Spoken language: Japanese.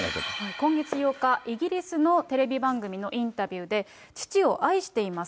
今月８日、イギリスのテレビ番組のインタビューで、父を愛しています。